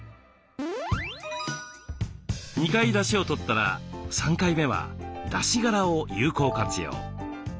２回だしをとったら３回目はだしがらを有効活用。